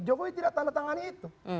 jokowi tidak tanda tangan itu